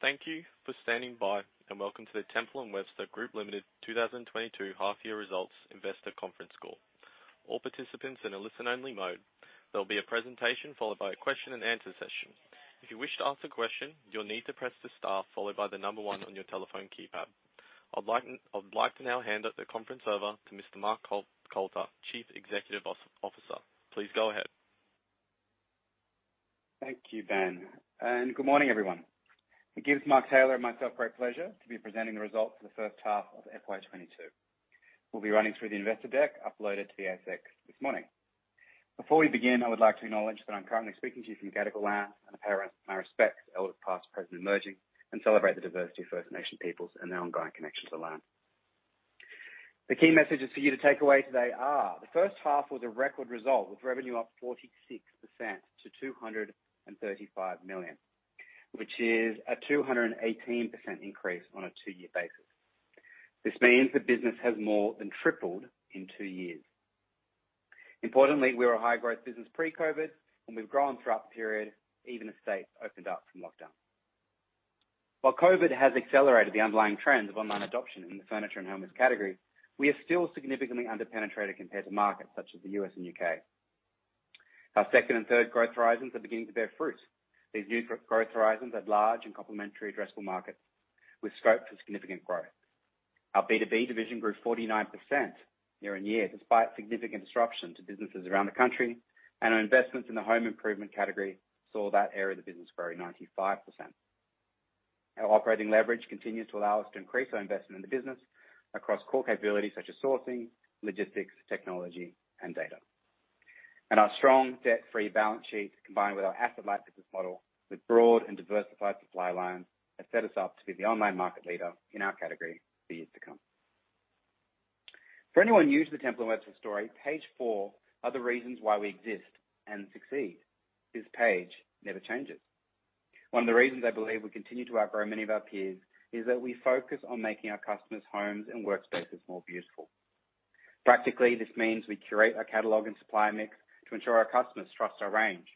Thank you for standing by, and welcome to the Temple & Webster Group Limited 2022 half-year results investor conference call. All participants are in a listen-only mode. There'll be a presentation followed by a question-and-answer session. If you wish to ask a question, you'll need to press the star followed by the number one on your telephone keypad. I would like to now hand the conference over to Mr. Mark Coulter, Chief Executive Officer. Please go ahead. Thank you, Ben, and good morning, everyone. It gives Mark Tayler and myself great pleasure to be presenting the results for the first half of FY 2022. We'll be running through the investor deck uploaded to the ASX this morning. Before we begin, I would like to acknowledge that I'm currently speaking to you from Gadigal land, and pay our respects to elders, past, present, and emerging, and celebrate the diversity of First Nations peoples and their ongoing connection to the land. The key messages for you to take away today are. The first half was a record result with revenue up 46% to 235 million, which is a 218% increase on a two-year basis. This means the business has more than tripled in two years. Importantly, we're a high-growth business pre-COVID, and we've grown throughout the period, even as states opened up from lockdown. While COVID has accelerated the underlying trends of online adoption in the furniture and homewares category, we are still significantly under-penetrated compared to markets such as the U.S. and U.K. Our second and third growth horizons are beginning to bear fruit. These new growth horizons are large and complementary addressable markets with scope for significant growth. Our B2B division grew 49% year-on-year, despite significant disruption to businesses around the country, and our investments in the home improvement category saw that area of the business grow 95%. Our operating leverage continues to allow us to increase our investment in the business across core capabilities such as sourcing, logistics, technology, and data. Our strong debt-free balance sheet, combined with our asset-light business model with broad and diversified supply lines, have set us up to be the online market leader in our category for years to come. For anyone new to the Temple & Webster story, page four are the reasons why we exist and succeed. This page never changes. One of the reasons I believe we continue to outgrow many of our peers is that we focus on making our customers' homes and workspaces more beautiful. Practically, this means we curate our catalog and supply mix to ensure our customers trust our range.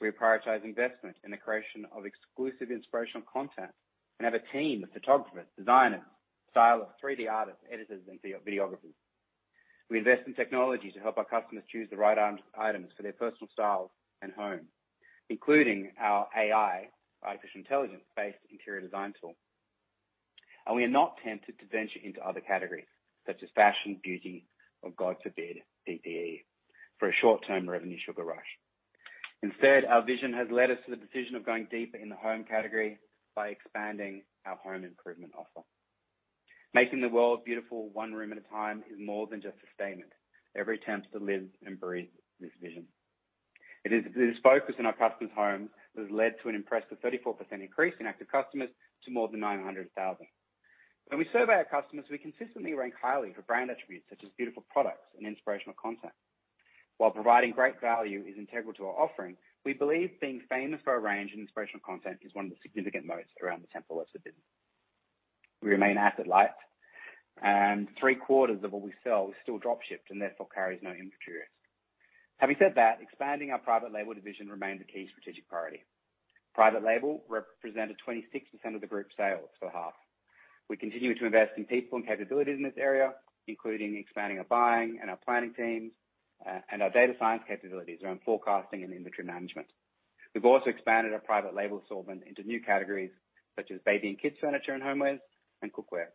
We prioritize investment in the creation of exclusive inspirational content and have a team of photographers, designers, stylists, 3D artists, editors, and videographers. We invest in technology to help our customers choose the right items for their personal styles and home, including our AI, artificial intelligence-based interior design tool. We are not tempted to venture into other categories such as fashion, beauty, or God forbid, CE for a short-term revenue sugar rush. Instead, our vision has led us to the decision of going deeper in the home category by expanding our home improvement offer. Making the world beautiful one room at a time is more than just a statement. Every Temple lives and breathes this vision. It is this focus on our customers' homes that has led to an impressive 34% increase in active customers to more than 900,000. When we survey our customers, we consistently rank highly for brand attributes such as beautiful products and inspirational content. While providing great value is integral to our offering, we believe being famous for our range and inspirational content is one of the significant moats around the Temple & Webster business. We remain asset-light, and three-quarters of what we sell is still drop-shipped and therefore carries no inventory risk. Having said that, expanding our private label division remains a key strategic priority. Private label represented 26% of the group's sales for half. We continue to invest in people and capabilities in this area, including expanding our buying and our planning teams, and our data science capabilities around forecasting and inventory management. We've also expanded our private label assortment into new categories such as baby and kids' furniture and homewares and cookware.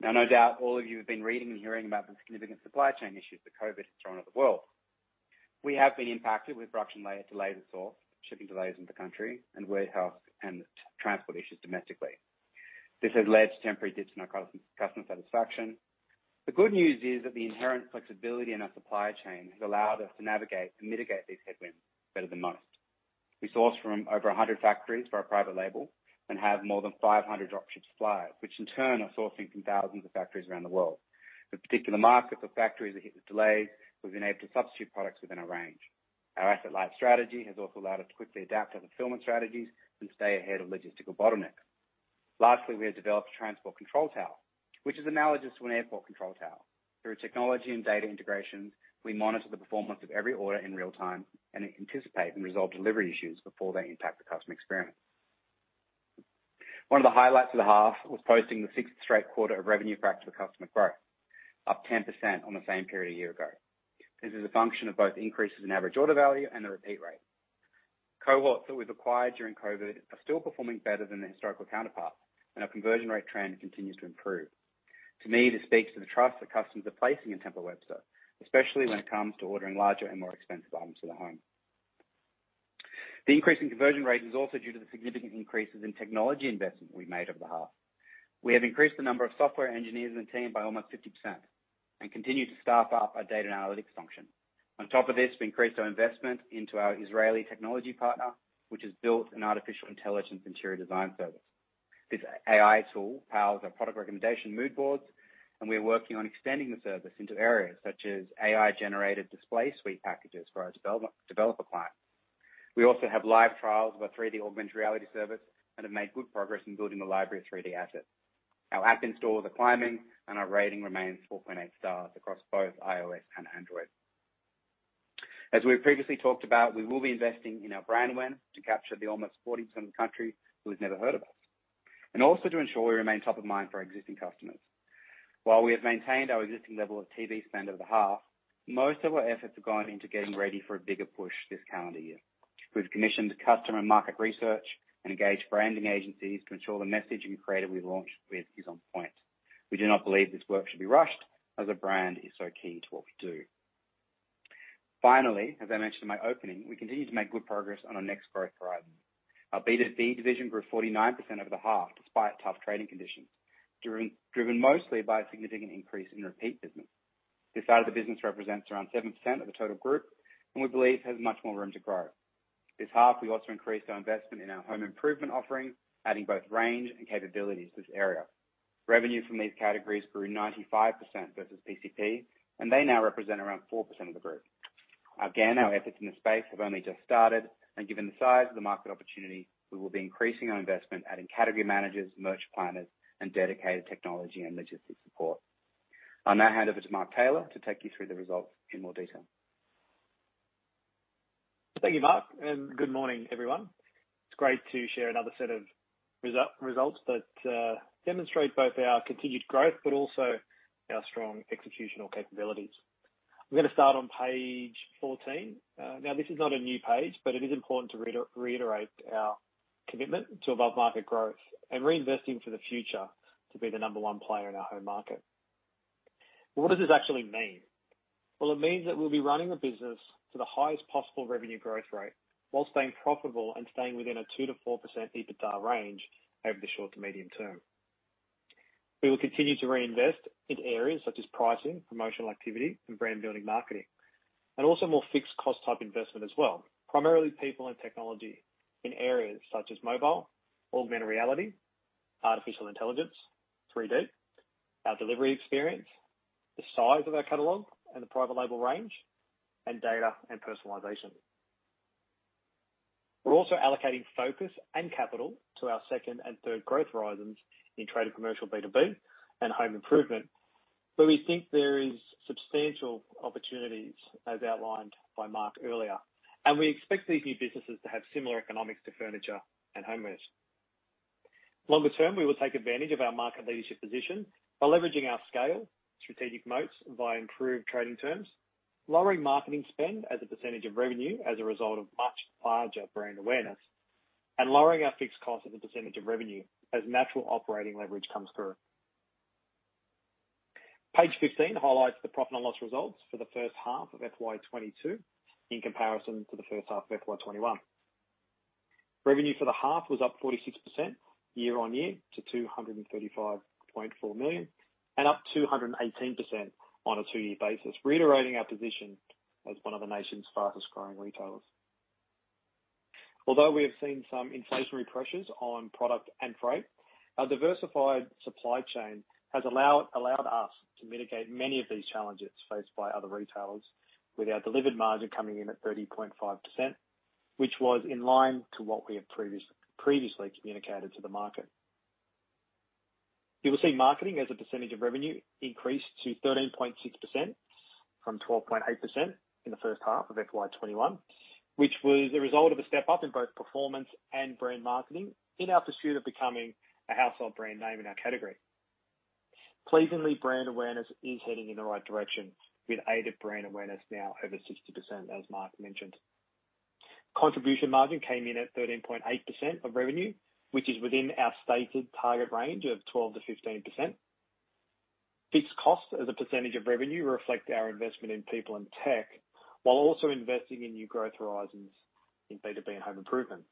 Now, no doubt all of you have been reading and hearing about the significant supply chain issues that COVID has thrown at the world. We have been impacted with production layer delays at source, shipping delays into country and warehouse and transport issues domestically. This has led to temporary dips in our customer satisfaction. The good news is that the inherent flexibility in our supply chain has allowed us to navigate and mitigate these headwinds better than most. We source from over 100 factories for our private label and have more than 500 drop-ship suppliers, which in turn are sourcing from thousands of factories around the world. For particular markets or factories that hit with delays, we've been able to substitute products within our range. Our asset-light strategy has also allowed us to quickly adapt to fulfillment strategies and stay ahead of logistical bottlenecks. Lastly, we have developed a transport control tower, which is analogous to an airport control tower. Through technology and data integrations, we monitor the performance of every order in real time and anticipate and resolve delivery issues before they impact the customer experience. One of the highlights of the half was posting the sixth straight quarter of revenue per active customer growth, up 10% on the same period a year ago. This is a function of both increases in average order value and the repeat rate. Cohorts that we've acquired during COVID are still performing better than their historical counterparts, and our conversion rate trend continues to improve. To me, this speaks to the trust that customers are placing in Temple & Webster, especially when it comes to ordering larger and more expensive items for the home. The increase in conversion rate is also due to the significant increases in technology investment we made over the half. We have increased the number of software engineers in the team by almost 50% and continue to staff up our data and analytics function. On top of this, we increased our investment into our Israeli technology partner, which has built an artificial intelligence interior design service. This AI tool powers our product recommendation mood boards, and we are working on extending the service into areas such as AI-generated display suite packages for our developer clients. We also have live trials of our 3D augmented reality service and have made good progress in building a library of 3D assets. Our app installs are climbing, and our rating remains 4.8 stars across both iOS and Android. As we've previously talked about, we will be investing in our brand win to capture the almost 40% of the country who has never heard of us, and also to ensure we remain top of mind for our existing customers. While we have maintained our existing level of TV spend over the half, most of our efforts have gone into getting ready for a bigger push this calendar year. We've commissioned customer market research and engaged branding agencies to ensure the message and creative we launch with is on point. We do not believe this work should be rushed as a brand is so key to what we do. Finally, as I mentioned in my opening, we continue to make good progress on our next growth horizon. Our B2B division grew 49% over the half despite tough trading conditions, driven mostly by a significant increase in repeat business. This side of the business represents around 7% of the total group, and we believe has much more room to grow. This half, we also increased our investment in our home improvement offering, adding both range and capabilities to this area. Revenue from these categories grew 95% versus PCP, and they now represent around 4% of the group. Again, our efforts in this space have only just started, and given the size of the market opportunity, we will be increasing our investment, adding category managers, merchant planners, and dedicated technology and logistics support. I'll now hand over to Mark Tayler to take you through the results in more detail. Thank you, Mark, and good morning, everyone. It's great to share another set of results that demonstrate both our continued growth but also our strong executional capabilities. I'm gonna start on page 14. Now, this is not a new page, but it is important to reiterate our commitment to above-market growth and reinvesting for the future to be the number one player in our home market. What does this actually mean? Well, it means that we'll be running the business to the highest possible revenue growth rate while staying profitable and staying within a 2%-4% EBITDA range over the short to medium term. We will continue to reinvest in areas such as pricing, promotional activity, and brand-building marketing, and also more fixed cost-type investment as well, primarily people and technology in areas such as mobile, augmented reality, artificial intelligence, 3D, our delivery experience, the size of our catalog and the private label range, and data and personalization. We're also allocating focus and capital to our second and third growth horizons in Trade & Commercial B2B and home improvement, where we think there is substantial opportunities, as outlined by Mark earlier. We expect these new businesses to have similar economics to furniture and home goods. Longer term, we will take advantage of our market leadership position by leveraging our scale, strategic moats via improved trading terms, lowering marketing spend as a percentage of revenue as a result of much larger brand awareness, and lowering our fixed cost as a percentage of revenue as natural operating leverage comes through. Page 15 highlights the profit and loss results for the first half of FY 2022 in comparison to the first half of FY 2021. Revenue for the half was up 46% year-on-year to 235.4 million and up 218% on a two-year basis, reiterating our position as one of the nation's fastest-growing retailers. Although we have seen some inflationary pressures on product and freight, our diversified supply chain has allowed us to mitigate many of these challenges faced by other retailers with our delivered margin coming in at 30.5%, which was in line with what we had previously communicated to the market. You will see marketing as a percentage of revenue increased to 13.6% from 12.8% in the first half of FY 2021, which was a result of a step up in both performance and brand marketing in our pursuit of becoming a household brand name in our category. Pleasingly, brand awareness is heading in the right direction, with aided brand awareness now over 60%, as Mark mentioned. Contribution margin came in at 13.8% of revenue, which is within our stated target range of 12%-15%. Fixed costs as a percentage of revenue reflect our investment in people and tech, while also investing in new growth horizons in B2B and home improvement.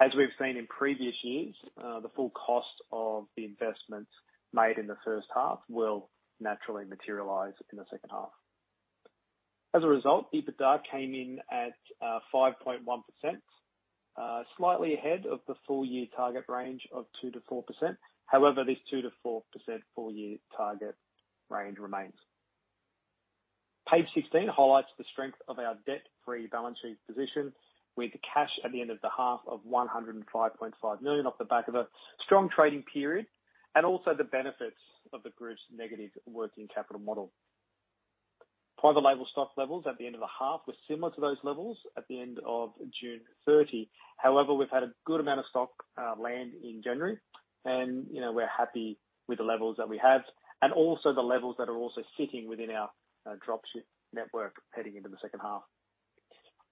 As we've seen in previous years, the full cost of the investments made in the first half will naturally materialize in the second half. As a result, EBITDA came in at 5.1%, slightly ahead of the full-year target range of 2%-4%. However, this 2%-4% full-year target range remains. Page 16 highlights the strength of our debt-free balance sheet position with cash at the end of the half of 105.5 million off the back of a strong trading period and also the benefits of the Group's negative working capital model. Private label stock levels at the end of the half were similar to those levels at the end of June 30. However, we've had a good amount of stock land in January and, you know, we're happy with the levels that we have and also the levels that are also sitting within our dropship network heading into the second half.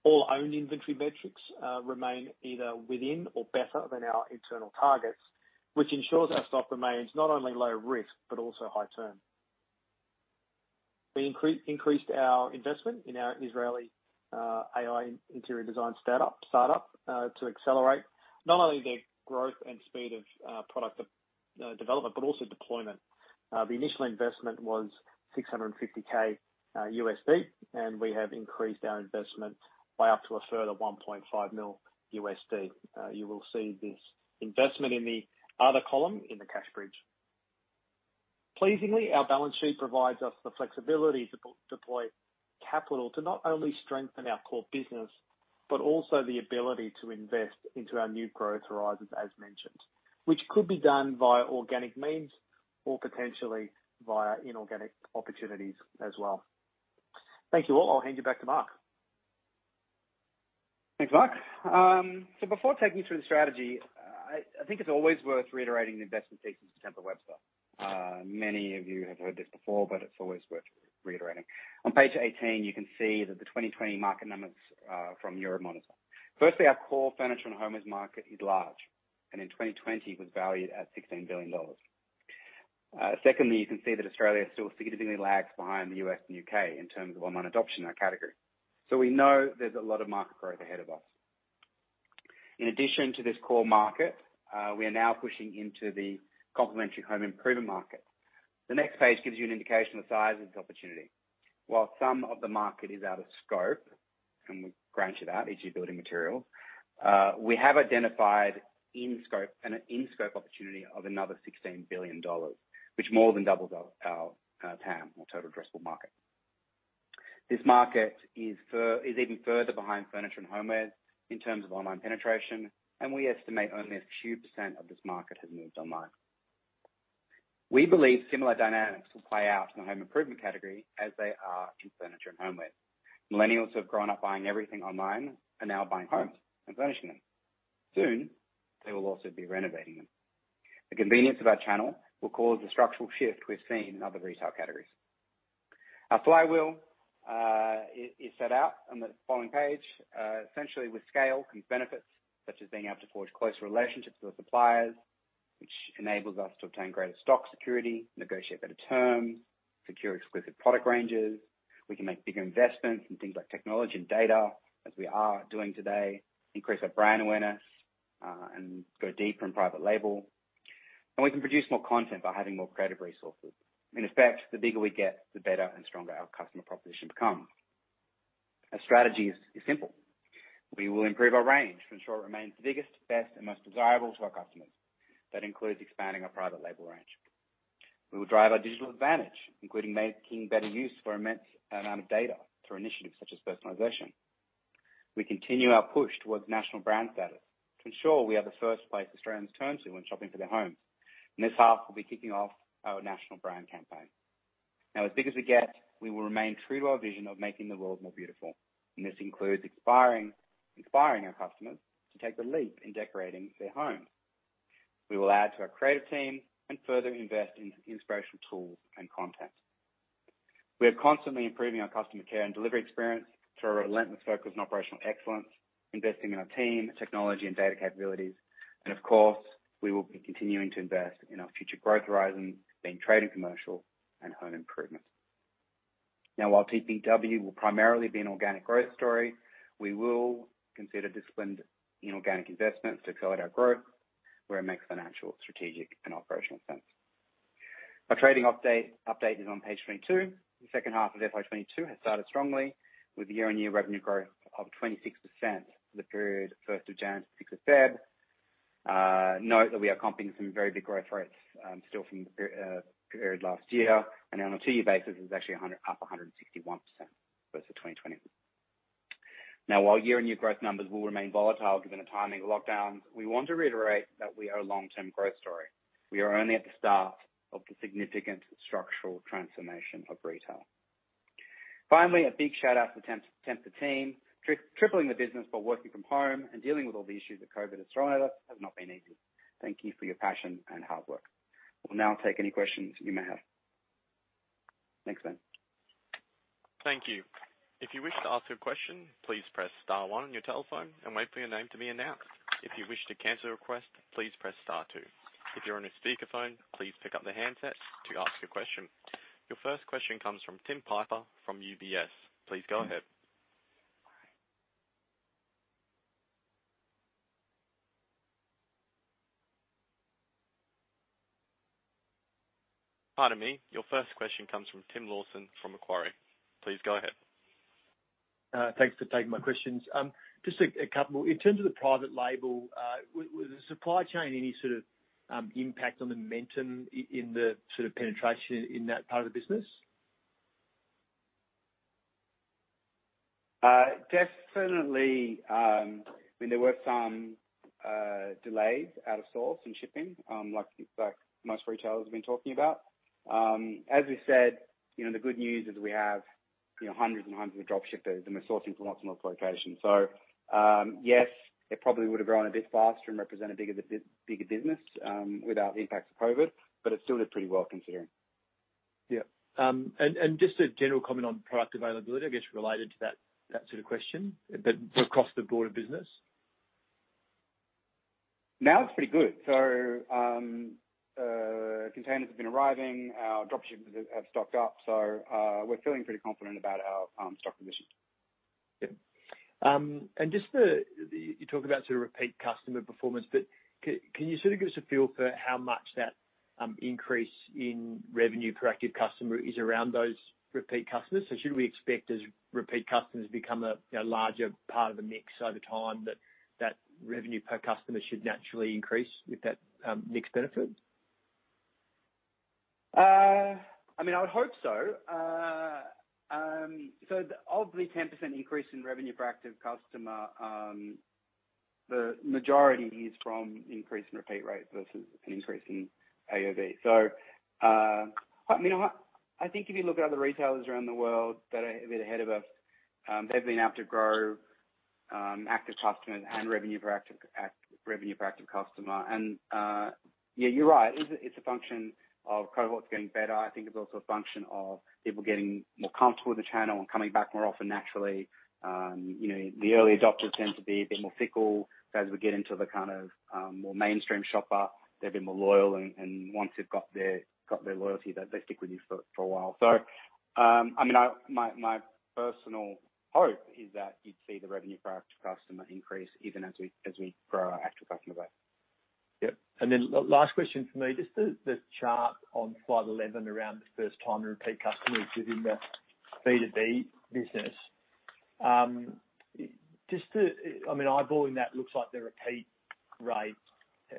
All owned inventory metrics remain either within or better than our internal targets, which ensures our stock remains not only low risk, but also high turn. We increased our investment in our Israeli AI interior design startup to accelerate not only their growth and speed of product development, but also deployment. The initial investment was $650K USD, and we have increased our investment by up to a further $1.5 mil USD. You will see this investment in the other column in the cash bridge. Pleasingly, our balance sheet provides us the flexibility to deploy capital to not only strengthen our core business- Also the ability to invest into our new growth horizons as mentioned, which could be done via organic means or potentially via inorganic opportunities as well. Thank you all. I'll hand you back to Mark. Thanks, Mark. Before taking you through the strategy, I think it's always worth reiterating the investment thesis of Temple & Webster. Many of you have heard this before, but it's always worth reiterating. On page 18, you can see that the 2020 market numbers from Euromonitor. Firstly, our core furniture and homewares market is large, and in 2020 was valued at 16 billion dollars. Secondly, you can see that Australia still significantly lags behind the U.S. and U.K. in terms of online adoption in that category. We know there's a lot of market growth ahead of us. In addition to this core market, we are now pushing into the complementary home improvement market. The next page gives you an indication of the size of this opportunity. While some of the market is out of scope, and we grant you that, it's your building material, we have identified in-scope opportunity of another 16 billion dollars, which more than doubles our TAM or total addressable market. This market is even further behind furniture and homewares in terms of online penetration, and we estimate only a few percent of this market has moved online. We believe similar dynamics will play out in the home improvement category as they are in furniture and homewares. Millennials who have grown up buying everything online are now buying homes and furnishing them. Soon, they will also be renovating them. The convenience of our channel will cause a structural shift we've seen in other retail categories. Our flywheel is set out on the following page. Essentially with scale comes benefits such as being able to forge closer relationships with suppliers, which enables us to obtain greater stock security, negotiate better terms, secure exclusive product ranges. We can make bigger investments in things like technology and data, as we are doing today, increase our brand awareness, and go deeper in private label. We can produce more content by having more creative resources. In effect, the bigger we get, the better and stronger our customer proposition becomes. Our strategy is simple. We will improve our range to ensure it remains the biggest, best, and most desirable to our customers. That includes expanding our private label range. We will drive our digital advantage, including making better use of our immense amount of data through initiatives such as personalization. We continue our push towards national brand status to ensure we are the first place Australians turn to when shopping for their homes. In this half, we'll be kicking off our national brand campaign. Now, as big as we get, we will remain true to our vision of making the world more beautiful, and this includes inspiring our customers to take the leap in decorating their homes. We will add to our creative team and further invest in inspirational tools and content. We are constantly improving our customer care and delivery experience through our relentless focus on operational excellence, investing in our team, technology, and data capabilities. Of course, we will be continuing to invest in our future growth horizons, being Trade & Commercial and home improvements. While TPW will primarily be an organic growth story, we will consider disciplined inorganic investments to accelerate our growth where it makes financial, strategic, and operational sense. Our trading update is on page 22. The second half of FY 2022 has started strongly with year-on-year revenue growth of 26% for the period first of January to 6th of February. Note that we are comping some very big growth rates, still from the period last year. On a two-year basis, it was actually up 161% versus 2020. While year-on-year growth numbers will remain volatile given the timing of lockdowns, we want to reiterate that we are a long-term growth story. We are only at the start of the significant structural transformation of retail. Finally, a big shout out to the Temple team. Tripling the business while working from home and dealing with all the issues that COVID has thrown at us has not been easy. Thank you for your passion and hard work. We'll now take any questions you may have. Thanks, Ben. Your first question comes from Tim Piper from UBS. Please go ahead. Pardon me. Your first question comes from Tim Lawson from Macquarie. Please go ahead. Thanks for taking my questions. Just a couple. In terms of the private label, with the supply chain, any sort of impact on the momentum in the sort of penetration in that part of the business? Definitely, I mean, there were some delays out of source and shipping, like most retailers have been talking about. As we said, you know, the good news is we have, you know, hundreds and hundreds of drop shippers, and we're sourcing from lots and lots of locations. So, yes, it probably would have grown a bit faster and represent a bigger business without the impacts of COVID, but it still did pretty well considering. Yeah. Just a general comment on product availability, I guess, related to that sort of question, but across the broader business. Now it's pretty good. Containers have been arriving, our drop shippers have stocked up. We're feeling pretty confident about our stock positions. Yeah. You talked about sort of repeat customer performance, but can you sort of give us a feel for how much that increase in revenue per active customer is around those repeat customers? Should we expect as repeat customers become a, you know, larger part of the mix over time that revenue per customer should naturally increase with that mix benefit? I mean, I would hope so. Of the 10% increase in revenue per active customer, the majority is from increase in repeat rate versus an increase in AOV. I mean, what, I think if you look at other retailers around the world that are a bit ahead of us, they've been able to grow active customers and revenue per active customer. Yeah, you're right. It's a function of cohorts getting better. I think it's also a function of people getting more comfortable with the channel and coming back more often naturally. You know, the early adopters tend to be a bit more fickle. As we get into the kind of more mainstream shopper, they're a bit more loyal, and once you've got their loyalty, they stick with you for a while. I mean, my personal hope is that you'd see the revenue per active customer increase even as we grow our active customer base. Yep. Last question for me, just the chart on slide 11 around the first-time and repeat customers within the B2B business. Just to, I mean, eyeballing that looks like the repeat rate,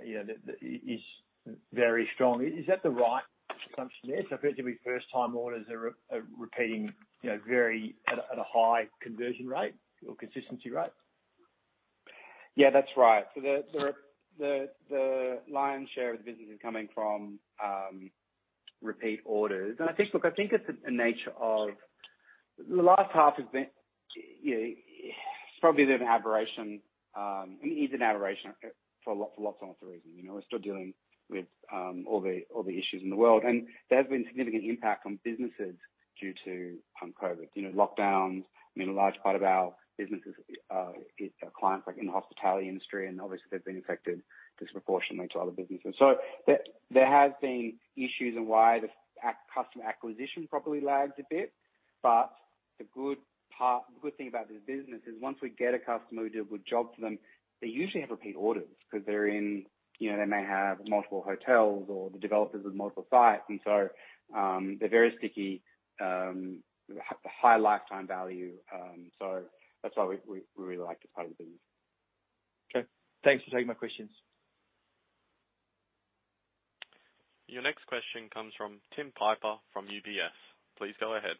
you know, is very strong. Is that the right assumption there? Effectively first-time orders are repeating, you know, very at a high conversion rate or consistency rate? Yeah, that's right. The lion's share of the business is coming from repeat orders. I think the nature of the last half has been. It's probably been an aberration for lots and lots of reasons. We're still dealing with all the issues in the world, and there's been significant impact on businesses due to COVID. Lockdowns. A large part of our business is clients like in the hospitality industry, and obviously they've been affected disproportionately to other businesses. There has been issues and why the customer acquisition probably lags a bit. The good part, the good thing about this business is once we get a customer, we do a good job for them, they usually have repeat orders because, you know, they may have multiple hotels or the developers of multiple sites, and so, they're very sticky, high lifetime value. That's why we really like this part of the business. Okay. Thanks for taking my questions. Your next question comes from Tim Piper from UBS. Please go ahead.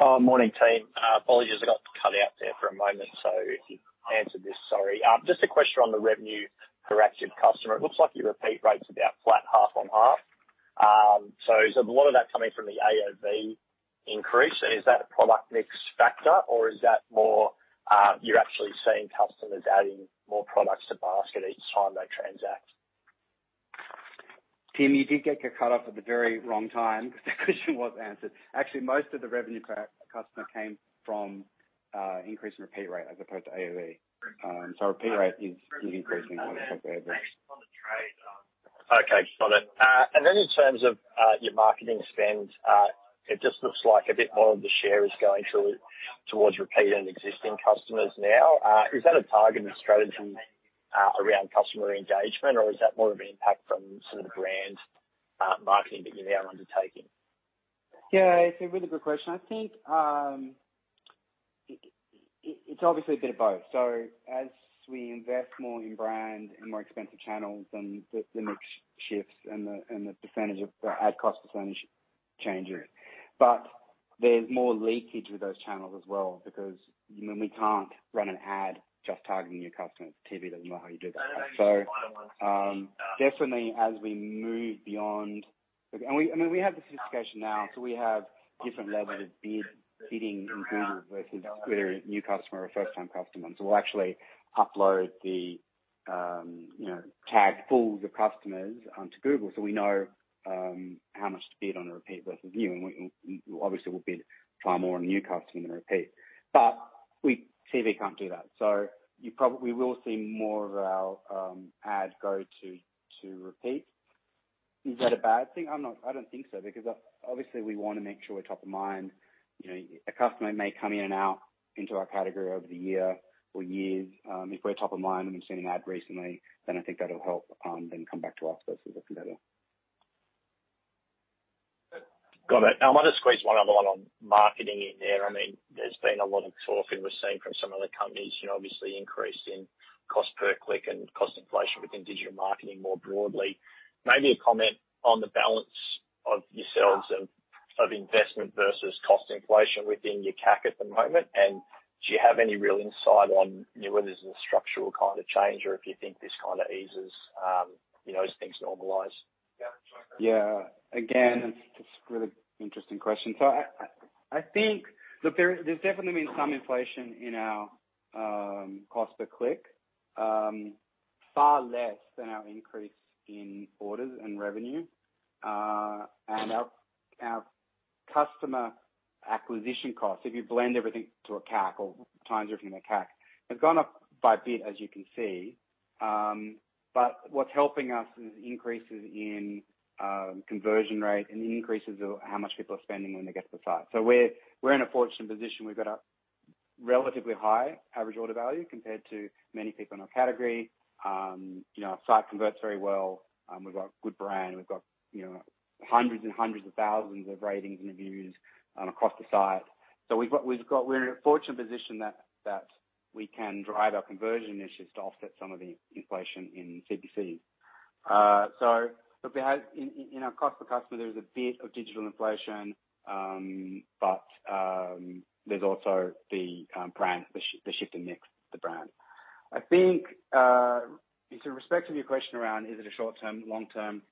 Morning, team. Apologies, I got cut out there for a moment, so if you answered this, sorry. Just a question on the revenue per active customer. It looks like your repeat rate's about flat half on half. Is a lot of that coming from the AOV increase? And is that a product mix factor or is that more, you're actually seeing customers adding more products to basket each time they transact? Tim, you did get cut off at the very wrong time because the question was answered. Actually, most of the revenue per active customer came from increase in repeat rate as opposed to AOV. Repeat rate is increasing. Okay. Got it. In terms of your marketing spend, it just looks like a bit more of the share is going towards repeat and existing customers now. Is that a targeted strategy around customer engagement, or is that more of an impact from some of the brand marketing that you're now undertaking? Yeah, it's a really good question. I think it's obviously a bit of both. As we invest more in brand and more expensive channels, then the mix shifts and the percentage of the ad cost percentage changes. But there's more leakage with those channels as well because, you know, we can't run an ad just targeting new customers. TV doesn't know how you do that. Definitely as we move beyond, we, I mean, we have the sophistication now, so we have different levels of bidding in Google versus whether a new customer or a first-time customer. We'll actually upload the tag pools of customers onto Google so we know how much to bid on a repeat versus new. We obviously will bid far more on a new customer than a repeat. TV can't do that. We will see more of our ad go to repeat. Is that a bad thing? I don't think so, because obviously we wanna make sure we're top of mind. You know, a customer may come in and out into our category over the year or years. If we're top of mind and we've seen an ad recently, then I think that'll help them come back to us versus looking elsewhere. Got it. Now, I want to squeeze one other one on marketing in there. I mean, there's been a lot of talk and we've seen from some other companies, you know, obviously increase in cost per click and cost inflation within digital marketing more broadly. Maybe a comment on the balance of investment versus cost inflation within your CAC at the moment. Do you have any real insight on, you know, whether there's a structural kind of change or if you think this kind of eases, you know, as things normalize? Yeah. Again, that's just a really interesting question. I think. Look, there's definitely been some inflation in our cost per click, far less than our increase in orders and revenue. And our customer acquisition costs, if you blend everything to a CAC or times everything to CAC, have gone up by a bit, as you can see. But what's helping us is increases in conversion rate and the increases of how much people are spending when they get to the site. We're in a fortunate position. We've got a relatively high average order value compared to many people in our category. You know, our site converts very well. We've got good brand. We've got, you know, hundreds and hundreds of thousands of ratings and reviews across the site. We've got, we're in a fortunate position that we can drive our conversion initiatives to offset some of the inflation in CPC. We have in our cost per customer, there is a bit of digital inflation, but there's also the brand, the shift in mix of the brand. I think in sort of respect of your question around is it a short-term, long-term?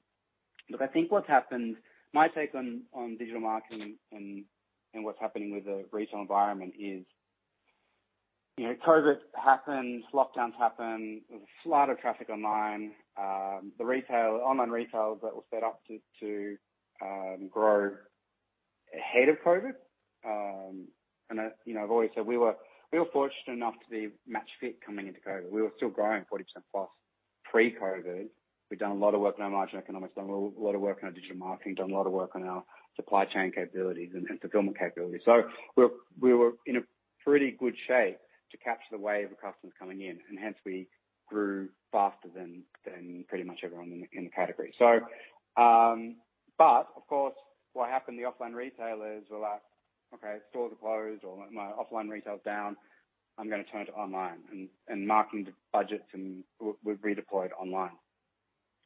I think what's happened, my take on digital marketing and what's happening with the retail environment is, you know, COVID happens, lockdowns happen. There's a flood of traffic online. Online retailers that were set up to grow ahead of COVID, as you know, I've always said we were fortunate enough to be match fit coming into COVID. We were still growing 40%+ pre-COVID. We'd done a lot of work on our margin economics, done a lot of work on our digital marketing, done a lot of work on our supply chain capabilities and fulfillment capabilities. We were in a pretty good shape to capture the wave of customers coming in, and hence we grew faster than pretty much everyone in the category. Of course, what happened to the offline retailers were like, "Okay, stores are closed or my offline retail is down, I'm gonna turn to online," and marketing budgets and were redeployed online.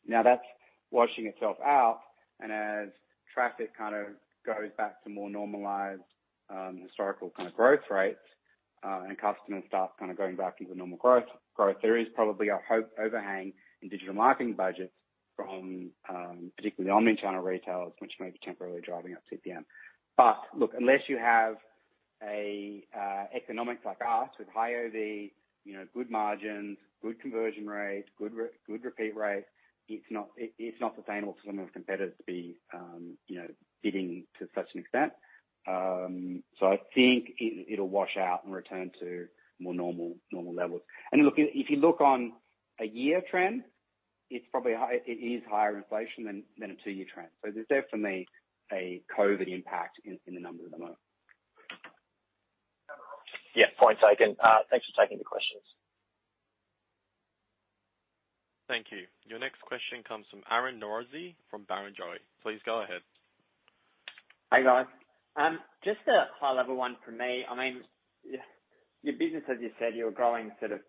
Now that's washing itself out, and as traffic kind of goes back to more normalized historical kind of growth rates, and customers start kind of going back into normal growth, there is probably an overhang in digital marketing budgets from particularly the online channel retailers, which may be temporarily driving up CPM. But look, unless you have economics like ours with high AOV, you know, good margins, good conversion rates, good repeat rates, it's not sustainable for some of those competitors to be, you know, bidding to such an extent. So I think it'll wash out and return to more normal levels. And look, if you look on a year trend, it's probably high. It is higher inflation than a two-year trend. So there's definitely a COVID impact in the numbers at the moment. Yeah. Point taken. Thanks for taking the questions. Thank you. Your next question comes from Aryan Norozi from Barrenjoey. Please go ahead. Hi, guys. Just a high-level one from me. I mean, your business, as you said, you were growing sort of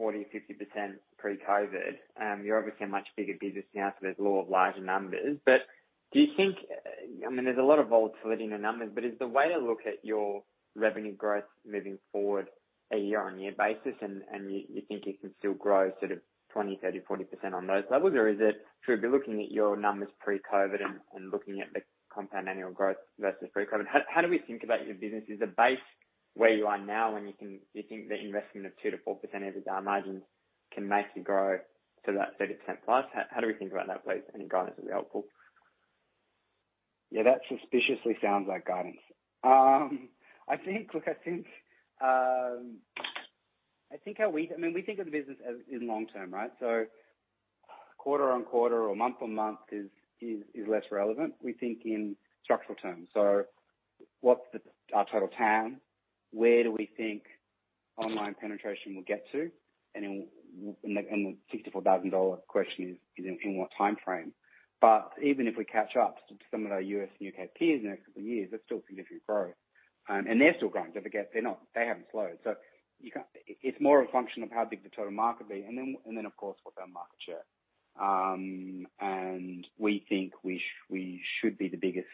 40%, 50% pre-COVID. You're obviously a much bigger business now, so there's law of large numbers. Do you think I mean, there's a lot of volatility in the numbers, but is the way to look at your revenue growth moving forward a year-on-year basis, and you think you can still grow sort of 20%, 30%, 40% on those levels? Or should we be looking at your numbers pre-COVID and looking at the compound annual growth versus pre-COVID? How do we think about your business? Is the base where you are now, and you think the investment of 2%-4% EBITDA margins can make you grow to that 30%+? How do we think about that, please? Any guidance would be helpful. Yeah, that suspiciously sounds like guidance. I think, look, I mean, we think of the business as in long term, right? Quarter-on-quarter or month-on-month is less relevant. We think in structural terms. What's our total TAM? Where do we think online penetration will get to? And the 64,000-dollar question is in what timeframe? Even if we catch up to some of our U.S. and U.K. peers in the next couple of years, that's still significant growth. They're still growing. Don't forget, they haven't slowed. It's more a function of how big the total market will be. Then, of course, what's our market share? We think we should be the biggest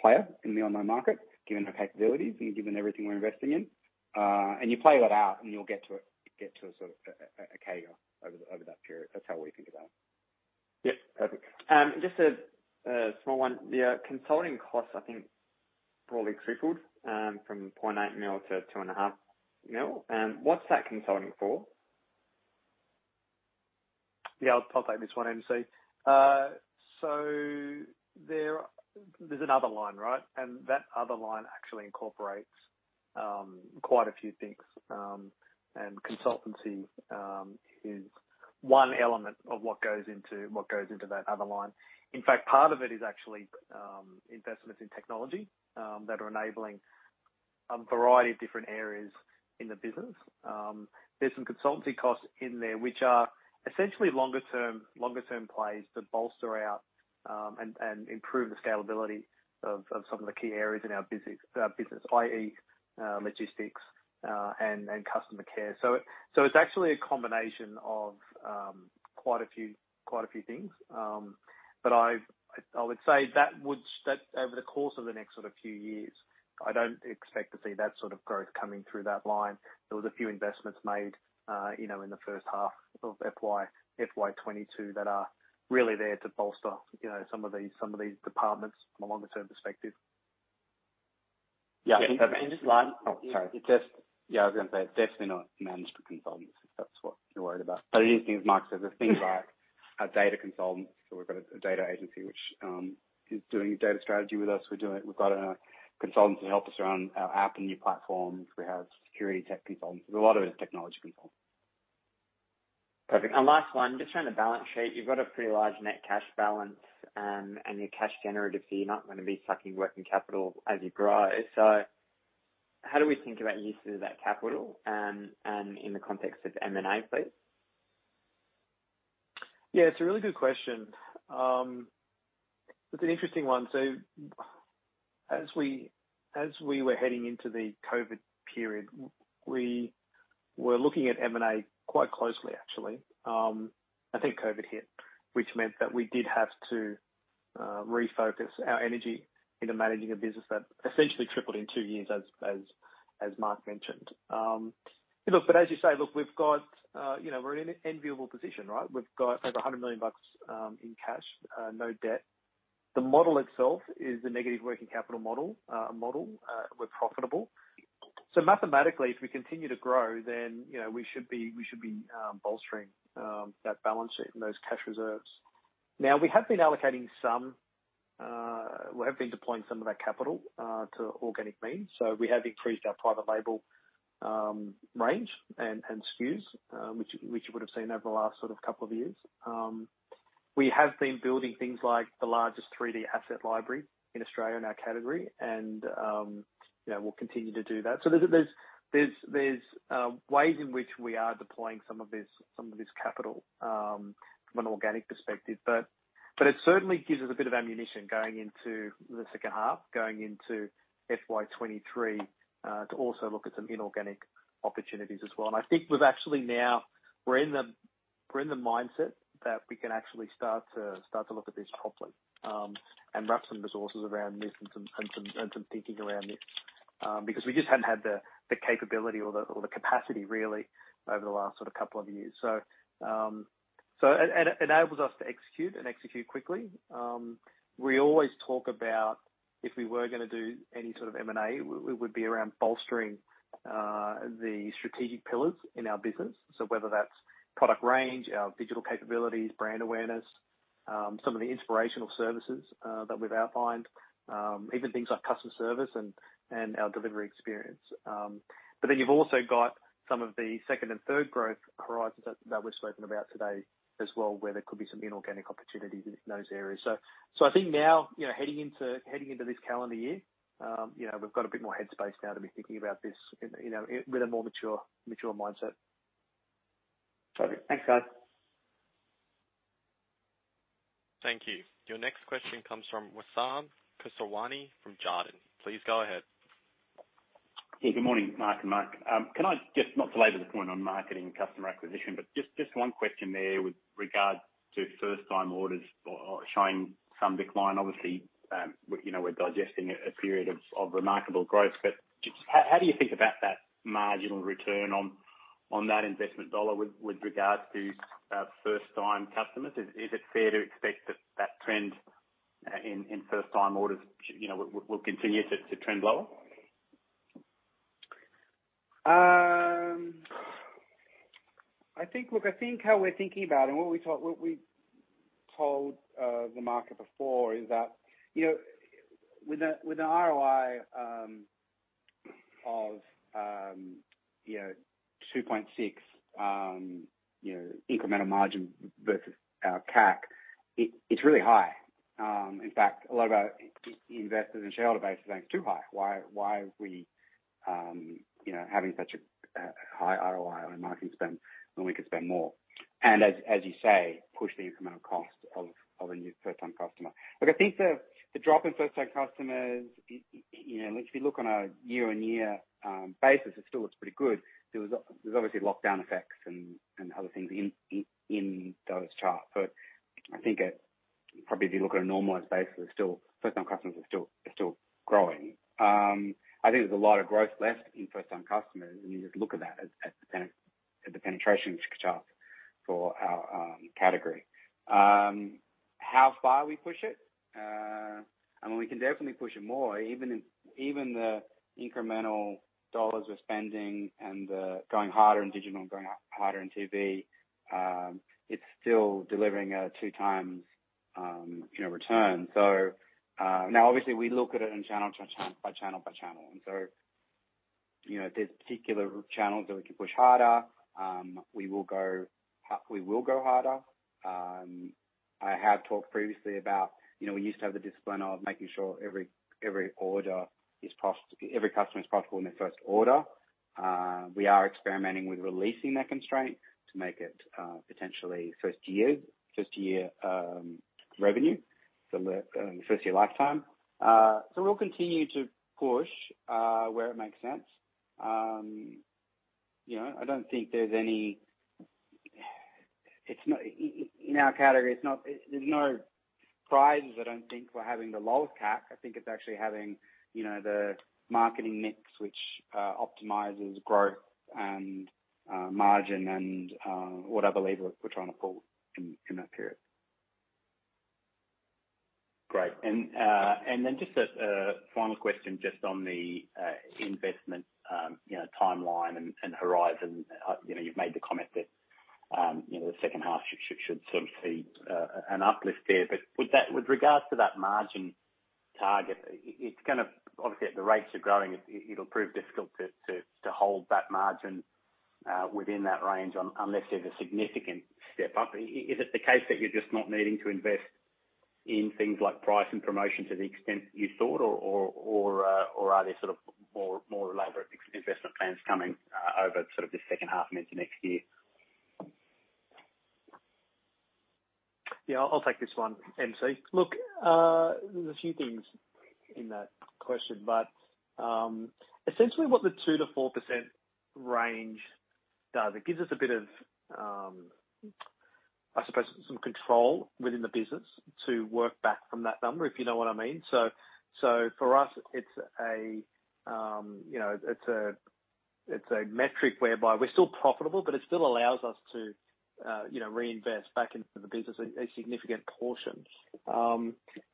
player in the online market given our capabilities and given everything we're investing in. You play that out, and you'll get to a sort of a CAGR over that period. That's how we think about it. Yep. Perfect. Just a small one. The consulting costs, I think probably tripled, from 0.8 million to 2.5 million. What's that consulting for? Yeah, I'll take this one, MC. There's another line, right? That other line actually incorporates quite a few things. Consultancy is one element of what goes into that other line. In fact, part of it is actually investments in technology that are enabling a variety of different areas in the business. There's some consultancy costs in there which are essentially longer term plays that bolster our and improve the scalability of some of the key areas in our business, i.e., logistics and customer care. It's actually a combination of quite a few things. I would say that would stretch over the course of the next sort of few years. I don't expect to see that sort of growth coming through that line. There was a few investments made, you know, in the first half of FY 2022 that are really there to bolster, you know, some of these departments from a longer-term perspective. Yeah. Perfect. just line- Yeah. Oh, sorry. Just yeah, I was gonna say it's definitely not management consultants, if that's what you're worried about. It is, as Mark says, the things like our data consultants. We've got a data agency which is doing data strategy with us. We've got a consultant to help us around our app and new platforms. We have security tech consultants. A lot of it is technology consultants. Perfect. Last one, just around the balance sheet. You've got a pretty large net cash balance, and you're cash generative, so you're not gonna be sucking working capital as you grow. How do we think about uses of that capital, and in the context of M&A, please? Yeah, it's a really good question. It's an interesting one. As we were heading into the COVID period, we were looking at M&A quite closely, actually. I think COVID hit, which meant that we did have to refocus our energy into managing a business that essentially tripled in two years as Mark mentioned. Look, but as you say, look, we've got, you know, we're in an enviable position, right? We've got over 100 million bucks in cash, no debt. The model itself is a negative working capital model. We're profitable. Mathematically, if we continue to grow, then, you know, we should be bolstering that balance sheet and those cash reserves. We have been deploying some of our capital to organic means. We have increased our private label range and SKUs, which you would have seen over the last sort of couple of years. We have been building things like the largest 3D asset library in Australia in our category, and you know, we'll continue to do that. There are ways in which we are deploying some of this capital from an organic perspective, but it certainly gives us a bit of ammunition going into the second half, going into FY 2023, to also look at some inorganic opportunities as well. I think we've actually, now we're in the mindset that we can actually start to look at this properly, and wrap some resources around this and some thinking around this, because we just haven't had the capability or the capacity really over the last sort of couple of years. It enables us to execute quickly. We always talk about if we were gonna do any sort of M&A, we would be around bolstering the strategic pillars in our business. Whether that's product range, our digital capabilities, brand awareness, some of the inspirational services that we've outlined, even things like customer service and our delivery experience. You've also got some of the second and third growth horizons that we've spoken about today as well, where there could be some inorganic opportunities in those areas. I think now, you know, heading into this calendar year, you know, we've got a bit more head space now to be thinking about this in, you know, with a more mature mindset. Perfect. Thanks, guys. Thank you. Your next question comes from Wassim Kisirwani from Jarden. Please go ahead. Yeah. Good morning, Mark and Mark. Can I just not belabor the point on marketing and customer acquisition, but just one question there with regard to first-time orders or showing some decline. Obviously, you know, we're digesting a period of remarkable growth. But just how do you think about that marginal return on that investment dollar with regards to first-time customers? Is it fair to expect that trend in first-time orders, you know, will continue to trend lower? I think... Look, I think how we're thinking about it and what we told the market before is that, you know, with an ROI of, you know, 2.6 incremental margin versus our CAC, it's really high. In fact, a lot of our investors and shareholder base think too high. Why are we, you know, having such a high ROI on our marketing spend when we could spend more and as you say, push the incremental cost of a new first-time customer? Look, I think the drop in first-time customers you know, if you look on a year-on-year basis, it still looks pretty good. There was there was obviously lockdown effects and other things in those charts. I think it probably, if you look at a normalized basis, first-time customers are growing. I think there's a lot of growth left in first-time customers, and you just look at that as the penetration chart for our category. How far we push it? I mean, we can definitely push it more. Even the incremental dollars we're spending and going harder in digital and going harder in TV, it's still delivering a 2x return. Now obviously we look at it channel by channel. You know, there's particular channels that we can push harder. We will go harder. I have talked previously about, you know, we used to have the discipline of making sure every customer is profitable in their first order. We are experimenting with releasing that constraint to make it potentially first year revenue, the first year lifetime. We'll continue to push where it makes sense. You know, I don't think there's any. In our category there's no prizes, I don't think, for having the lowest CAC. I think it's actually having, you know, the marketing mix which optimizes growth and margin and what I believe we're trying to pull in in that period. Great. Just a final question just on the investment, you know, timeline and horizon. You know, you've made the comment that, you know, the second half should sort of see an uplift there. With regards to that margin target, it's gonna, obviously, if the rates are growing, it'll prove difficult to hold that margin within that range unless there's a significant step up. Is it the case that you're just not needing to invest in things like price and promotions to the extent that you thought or are there sort of more elaborate ex-investment plans coming over sort of the second half and into next year? Yeah, I'll take this one, MC. Look, there's a few things in that question, but essentially what the 2%-4% range does, it gives us a bit of, I suppose, some control within the business to work back from that number, if you know what I mean. For us, it's a metric whereby we're still profitable, but it still allows us to, you know, reinvest back into the business a significant portion.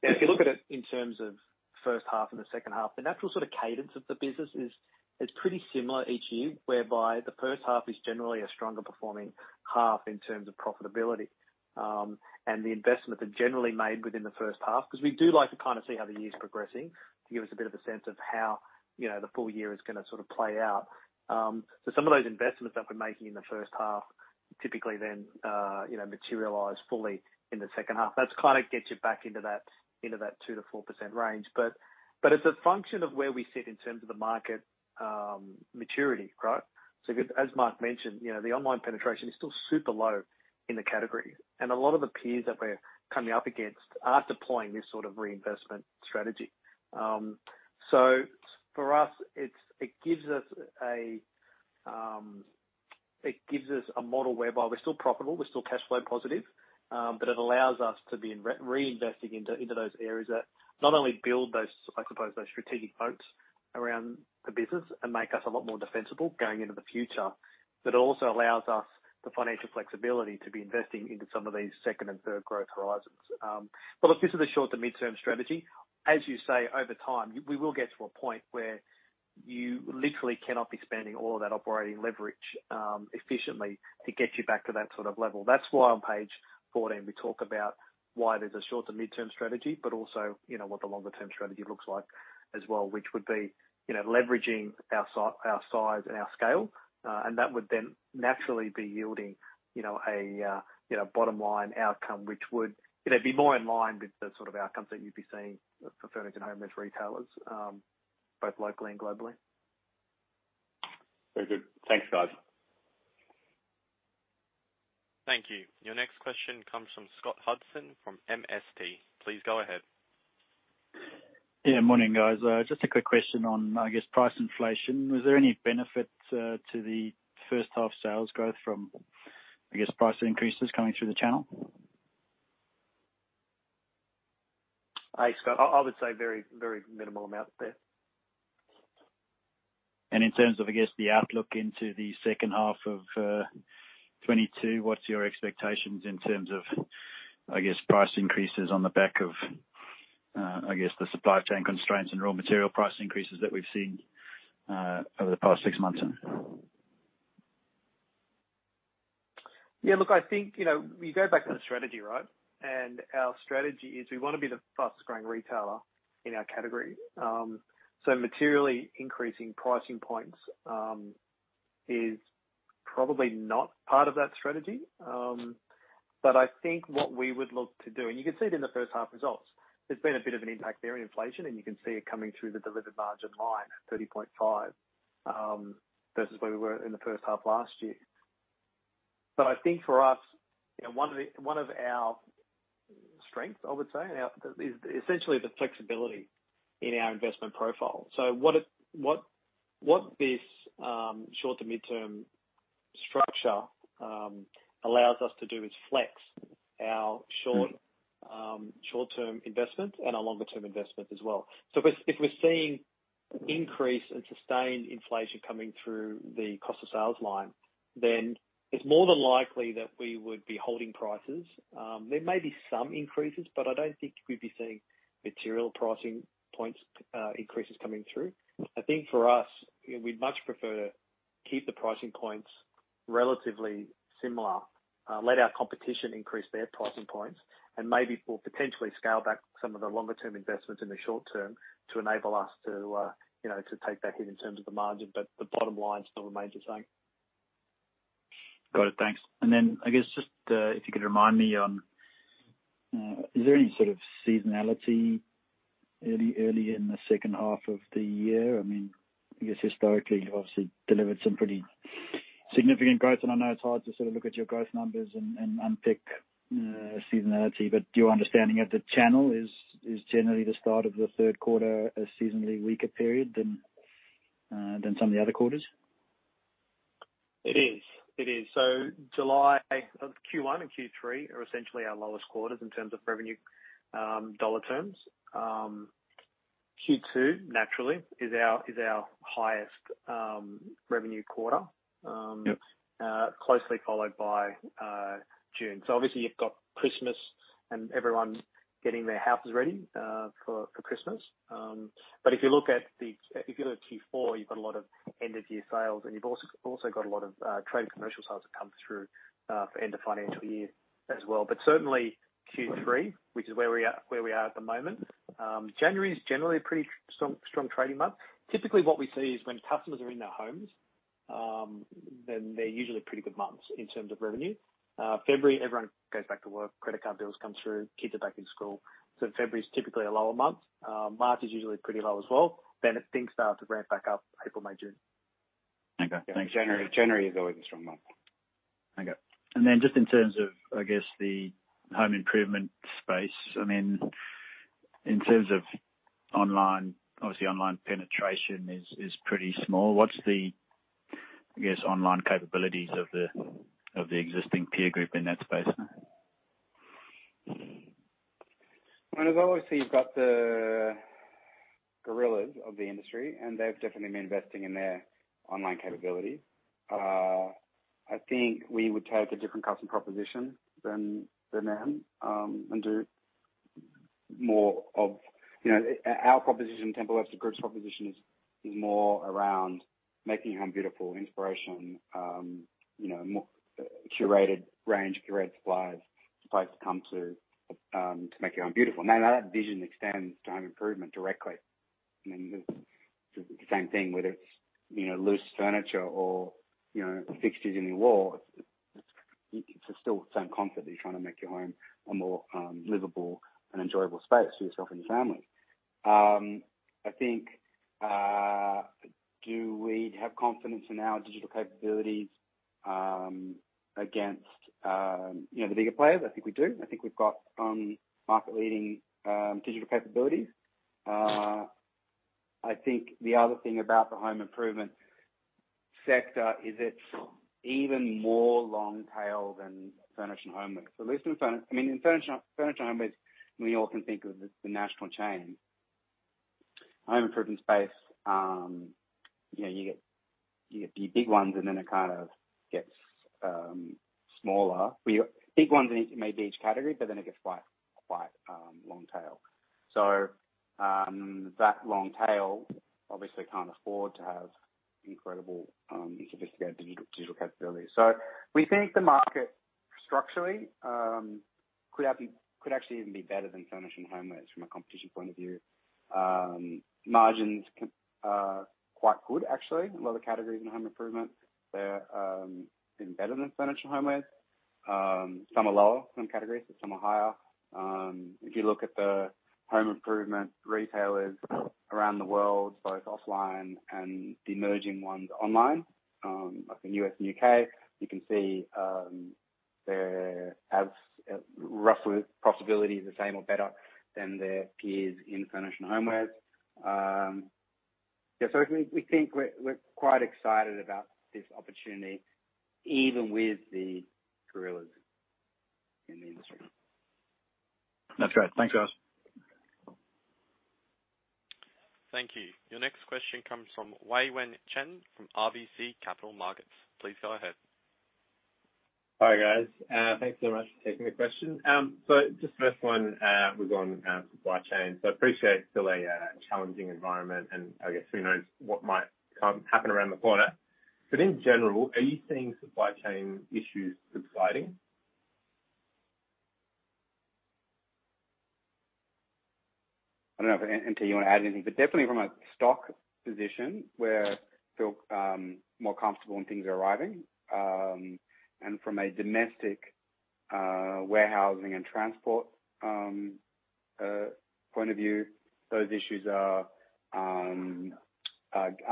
If you look at it in terms of first half and the second half, the natural sort of cadence of the business is pretty similar each year, whereby the first half is generally a stronger performing half in terms of profitability. The investments are generally made within the first half because we do like to kind of see how the year's progressing to give us a bit of a sense of how, you know, the full year is gonna sort of play out. Some of those investments that we're making in the first half typically then, you know, materialize fully in the second half. That kind of gets you back into that 2%-4% range. But as a function of where we sit in terms of the market maturity, right? As Mark mentioned, you know, the online penetration is still super low in the category, and a lot of the peers that we're coming up against are deploying this sort of reinvestment strategy. So for us, it gives us a model whereby we're still profitable, we're still cash flow positive, but it allows us to be reinvesting into those areas that not only build those, I suppose, strategic moats around the business and make us a lot more defensible going into the future. It also allows us the financial flexibility to be investing into some of these second and third growth horizons. Look, this is a short to mid-term strategy. As you say, over time, we will get to a point where you literally cannot be spending all of that operating leverage efficiently to get you back to that sort of level. That's why on page 14, we talk about why there's a short to mid-term strategy, but also, you know, what the longer-term strategy looks like as well, which would be, you know, leveraging our size and our scale. That would then naturally be yielding, you know, a, you know, bottom line outcome, which would, you know, be more in line with the sort of outcomes that you'd be seeing for furniture and home goods retailers, both locally and globally. Very good. Thanks, guys. Thank you. Your next question comes from Scott Hudson from MST. Please go ahead. Yeah, morning, guys. Just a quick question on, I guess, price inflation. Was there any benefit to the first half sales growth from, I guess, price increases coming through the channel? Hey, Scott. I would say very, very minimal amount there. In terms of, I guess, the outlook into the second half of 2022, what's your expectations in terms of, I guess, price increases on the back of, I guess, the supply chain constraints and raw material price increases that we've seen over the past six months? Yeah, look, I think, you know, we go back to the strategy, right? Our strategy is we wanna be the fastest-growing retailer in our category. Materially increasing pricing points is probably not part of that strategy. I think what we would look to do, and you can see it in the first half results, there's been a bit of an impact there in inflation, and you can see it coming through the delivered margin line at 30.5% versus where we were in the first half last year. I think for us, you know, one of our strengths, I would say, now, is essentially the flexibility in our investment profile. What this short to mid-term structure allows us to do is flex our short- Mm-hmm. Short-term investment and our longer term investment as well. If we're seeing increase in sustained inflation coming through the cost of sales line, then it's more than likely that we would be holding prices. There may be some increases, but I don't think we'd be seeing material pricing points, increases coming through. I think for us, we'd much prefer to keep the pricing points relatively similar, let our competition increase their pricing points, and maybe we'll potentially scale back some of the longer term investments in the short term to enable us to, you know, to take that hit in terms of the margin. The bottom line is still remains the same. Got it. Thanks. I guess just if you could remind me on, is there any sort of seasonality early in the second half of the year? I mean, I guess historically, you obviously delivered some pretty significant growth, and I know it's hard to sort of look at your growth numbers and unpick seasonality. Your understanding of the channel is generally the start of the third quarter a seasonally weaker period than some of the other quarters? It is. Q1 and Q3 are essentially our lowest quarters in terms of revenue, dollar terms. Q2, naturally, is our highest revenue quarter. Yep. Closely followed by June. Obviously you've got Christmas and everyone getting their houses ready for Christmas. If you look at Q4, you've got a lot of end of year sales, and you've also got a lot of Trade & Commercial sales that come through for end of financial year as well. Certainly Q3, which is where we are at the moment. January is generally a pretty strong trading month. Typically what we see is when customers are in their homes, then they're usually pretty good months in terms of revenue. February, everyone goes back to work, credit card bills come through, kids are back in school. February is typically a lower month. March is usually pretty low as well. Things start to ramp back up April, May, June. Okay, thanks. January is always a strong month. Okay. Just in terms of, I guess, the home improvement space, I mean, in terms of online, obviously online penetration is pretty small. What's the, I guess, online capabilities of the existing peer group in that space? Well, obviously, you've got the gorillas of the industry, and they've definitely been investing in their online capabilities. I think we would take a different customer proposition than them, and do more of. You know, our proposition, Temple & Webster Group's proposition is more around making your home beautiful inspiration, you know, more curated range, curated supplies, place to come to make your own beautiful. Now, that vision extends to home improvement directly. I mean, the same thing, whether it's, you know, loose furniture or, you know, fixtures in your wall, it's still the same concept that you're trying to make your home a more livable and enjoyable space for yourself and your family. I think, do we have confidence in our digital capabilities against, you know, the bigger players? I think we do. I think we've got market-leading digital capabilities. I think the other thing about the home improvement sector is it's even more long tail than furniture and homewares. I mean, in furniture and homewares, we all can think of the national chains. Home improvement space, you get the big ones, and then it kind of gets smaller. Big ones maybe in each category, but then it gets quite long tail. That long tail obviously can't afford to have incredible sophisticated digital capabilities. We think the market structurally could actually even be better than furniture and homewares from a competition point of view. Margins are quite good, actually. A lot of categories in home improvement, they're even better than furniture and homewares. Some are lower, some are higher. If you look at the home improvement retailers around the world, both offline and the emerging ones online, like in U.S. and U.K., you can see their ad profitability roughly the same or better than their peers in furniture and homewares. Yeah, we think we're quite excited about this opportunity even with the gorillas in the industry. That's great. Thanks, guys. Thank you. Your next question comes from Wei-Weng Chen from RBC Capital Markets. Please go ahead. Hi, guys. Thanks so much for taking the question. Just the first one was on supply chain. I appreciate it's still a challenging environment and I guess who knows what might happen around the corner. In general, are you seeing supply chain issues subsiding? I don't know if, Anthony, you wanna add anything, but definitely from a stock position, we're feeling more comfortable when things are arriving. From a domestic warehousing and transport point of view, those issues are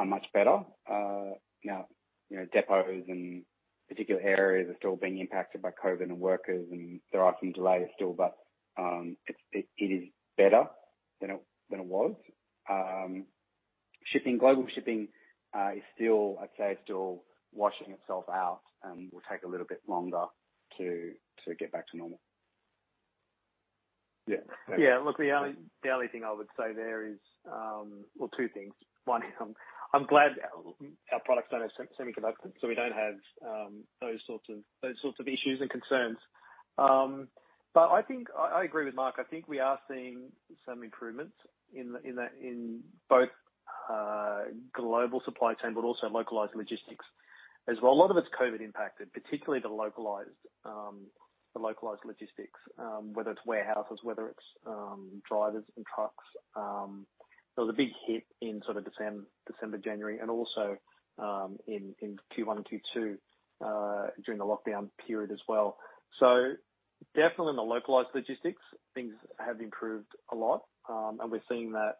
much better. Now, you know, depots and particular areas are still being impacted by COVID and workers, and there are some delays still, but it is better than it was. Global shipping is still, I'd say, washing itself out and will take a little bit longer to get back to normal. Yeah. Yeah. Look, the only thing I would say there is, well, two things. One, I'm glad our products don't have semiconductors, so we don't have those sorts of issues and concerns. But I think I agree with Mark. I think we are seeing some improvements in both global supply chain, but also localized logistics as well. A lot of it's COVID impacted, particularly the localized logistics, whether it's warehouses, drivers and trucks. There was a big hit in sort of December, January, and also in Q1 and Q2 during the lockdown period as well. Definitely in the localized logistics, things have improved a lot. We're seeing that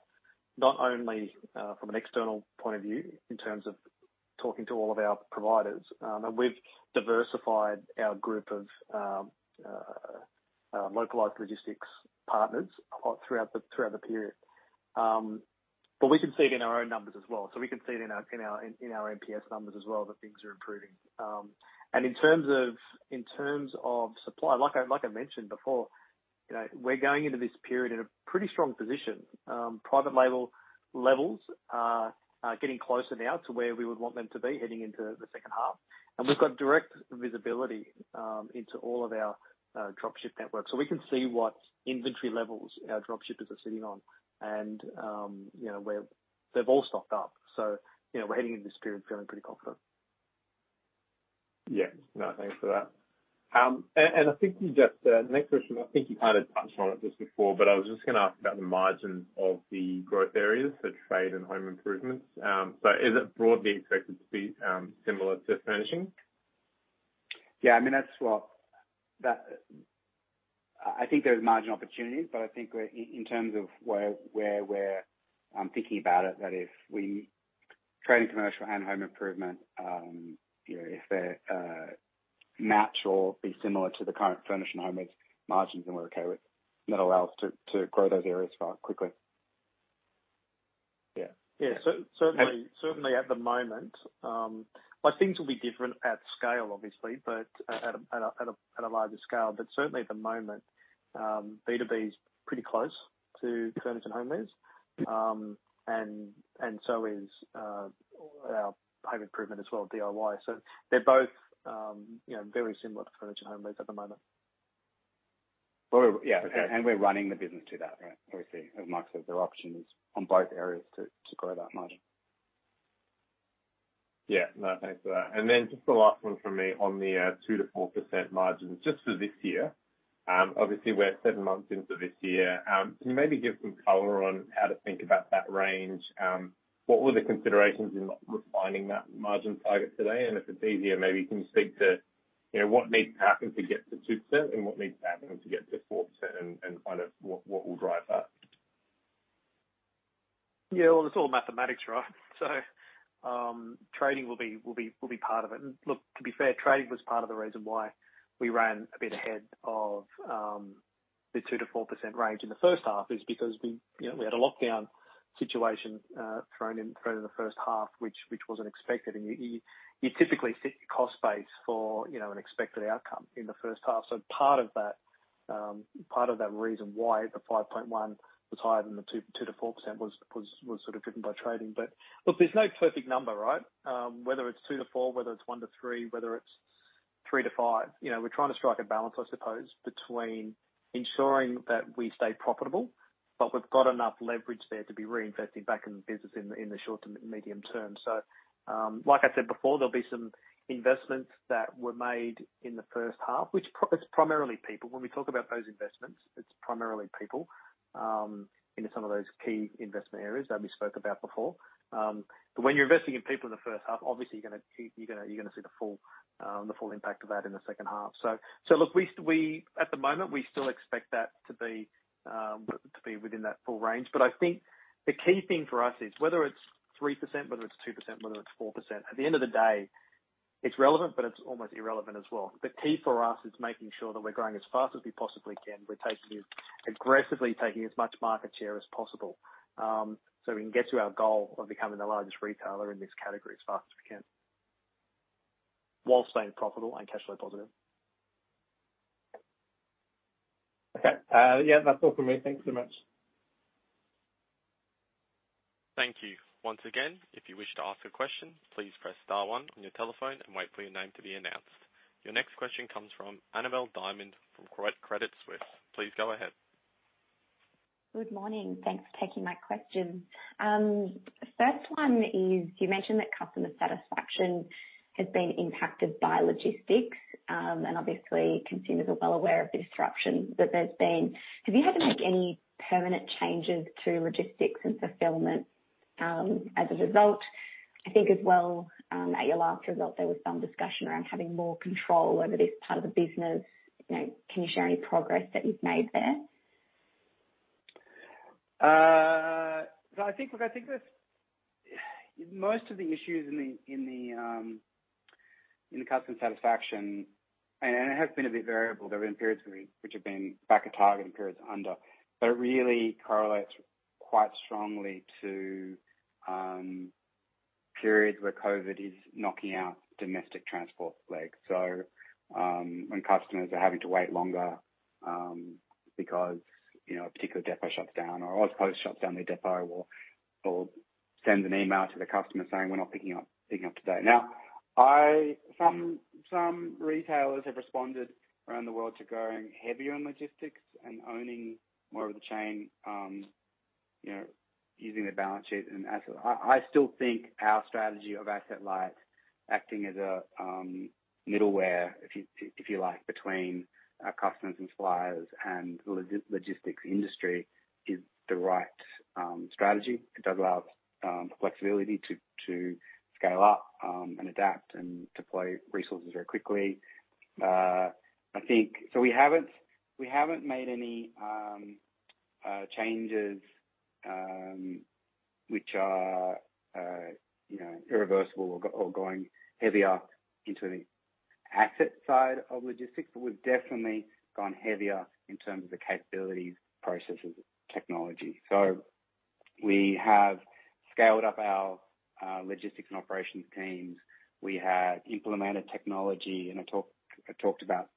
not only from an external point of view in terms of talking to all of our providers, and we've diversified our group of localized logistics partners a lot throughout the period. We can see it in our own numbers as well. We can see it in our MPS numbers as well, that things are improving. In terms of supply, like I mentioned before, you know, we're going into this period in a pretty strong position. Private label levels are getting closer now to where we would want them to be heading into the second half. We've got direct visibility into all of our drop ship networks, so we can see what inventory levels our drop shippers are sitting on and, you know, where they've all stocked up. You know, we're heading into this period feeling pretty confident. Yeah. No, thanks for that. I think you just next question, I think you kind of touched on it just before, but I was just gonna ask about the margin of the growth areas, so Trade and home improvements. Is it broadly expected to be similar to furnishing? Yeah. I mean, I think there's margin opportunities, but I think in terms of where I'm thinking about it, that if we Trade & Commercial and home improvement, you know, if they're match or be similar to the current furnishing home goods margins then we're okay with. That allows to grow those areas quite quickly. Yeah. Yeah. Certainly at the moment, but things will be different at scale obviously, but at a larger scale. Certainly at the moment, B2B is pretty close to furniture and homewares, and so is our home improvement as well, DIY. They're both, you know, very similar to furniture and homewares at the moment. We're. Yeah. Okay. We're running the business to that. Yeah. Okay. As Mark said, there are options on both areas to grow that margin. Yeah. No, thanks for that. Then just the last one from me on the 2%-4% margins just for this year. Obviously we're seven months into this year. Can you maybe give some color on how to think about that range? What were the considerations in not refining that margin target today? If it's easier, maybe can you speak to, you know, what needs to happen to get to 2% and what needs to happen to get to 4% and kind of what will drive that? Yeah. Well, it's all mathematics, right? Trading will be part of it. Look, to be fair, trading was part of the reason why we ran a bit ahead of the 2%-4% range in the first half is because we, you know, we had a lockdown situation thrown in the first half, which wasn't expected. You typically set your cost base for, you know, an expected outcome in the first half. Part of that reason why the 5.1% was higher than the 2%-4% was sort of driven by trading. Look, there's no perfect number, right? Whether it's 2%-4%, whether it's 1%-3%, whether it's 3%-5%, you know, we're trying to strike a balance, I suppose, between ensuring that we stay profitable, but we've got enough leverage there to be reinvested back in the business in the short to medium term. Like I said before, there'll be some investments that were made in the first half, which it's primarily people. When we talk about those investments, it's primarily people into some of those key investment areas that we spoke about before. But when you're investing in people in the first half, obviously you're gonna see the full impact of that in the second half. Look, we at the moment, we still expect that to be within that full range. I think the key thing for us is whether it's 3%, whether it's 2%, whether it's 4%, at the end of the day, it's relevant, but it's almost irrelevant as well. The key for us is making sure that we're growing as fast as we possibly can. We're taking it aggressively, taking as much market share as possible, so we can get to our goal of becoming the largest retailer in this category as fast as we can while staying profitable and cash flow positive. Okay. Yeah, that's all from me. Thanks so much. Thank you. Once again, if you wish to ask a question, please press star one on your telephone and wait for your name to be announced. Your next question comes from Annabelle Diamond from Credit Suisse. Please go ahead. Good morning. Thanks for taking my question. First one is, you mentioned that customer satisfaction has been impacted by logistics. Obviously consumers are well aware of the disruptions that there's been. Have you had to make any permanent changes to logistics and fulfillment, as a result? I think as well, at your last result, there was some discussion around having more control over this part of the business. You know, can you share any progress that you've made there? I think, look, I think there's most of the issues in the customer satisfaction, and it has been a bit variable. There have been periods which have been back of target and periods under. It really correlates quite strongly to periods where COVID is knocking out domestic transport leg. When customers are having to wait longer because, you know, a particular depot shuts down or Australia Post shuts down their depot or sends an email to the customer saying, "We're not picking up today." Now, some retailers have responded around the world to going heavier on logistics and owning more of the chain, you know, using their balance sheet and asset. I still think our strategy of asset light acting as a middleware, if you like, between our customers and suppliers and logistics industry is the right strategy. It does allow us the flexibility to scale up and adapt and deploy resources very quickly. We haven't made any changes which are, you know, irreversible or going heavier into the asset side of logistics, but we've definitely gone heavier in terms of the capabilities, processes, technology. We have scaled up our logistics and operations teams. We have implemented technology, and I talked about,